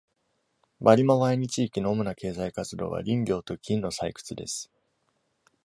バリマワイニ地域の主な経済活動は、林業と金の採掘です。